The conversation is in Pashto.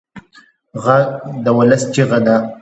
غږ د ولس چیغه ده